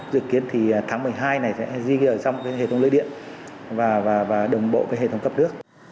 dự kiến thì tháng một mươi hai này sẽ di kỷ ở trong hệ thống lưới điện và đồng bộ với hệ thống cấp nước